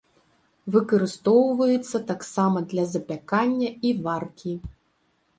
Выкарыстоўваецца таксама для запякання і варкі.